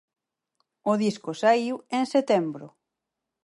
O disco saíu en setembro.